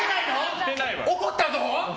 怒ったぞ！